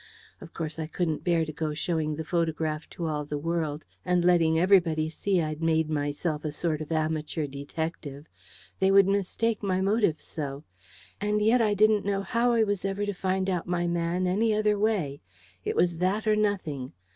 Of course I couldn't bear to go showing the photograph to all the world, and letting everybody see I'd made myself a sort of amateur detective. They would mistake my motives so. And yet I didn't know how I was ever to find out my man any other way. It was that or nothing.